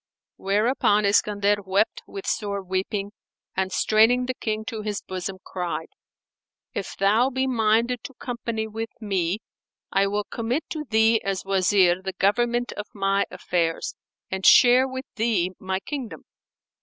Whereupon Iskandar wept with sore weeping and straining the King to his bosom cried, "If thou be minded to company with me, I will commit to thee as Wazir the government of my affairs and share with thee my kingdom."